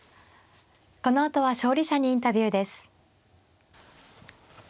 このあとは勝利者にインタビューです。